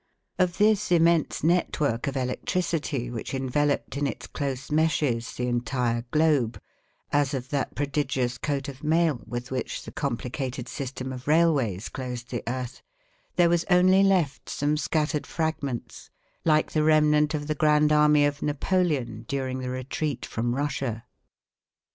Of this immense network of electricity which enveloped in its close meshes the entire globe, as of that prodigious coat of mail with which the complicated system of railways clothed the earth, there was only left some scattered fragments, like the remnant of the Grand Army of Napoleon during the retreat from Russia.